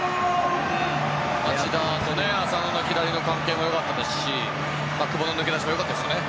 町田と浅野の左の関係も良かったですし久保の抜け出しも良かったですよね。